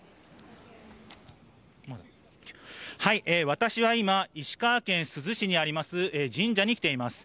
私は今、石川県珠洲市にあります神社に来ています。